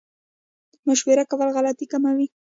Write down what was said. مشوره کول غلطي کموي